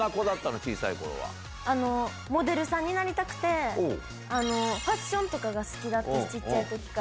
小さいこモデルさんになりたくて、ファッションとかが好きだった、私、ちっちゃいときから。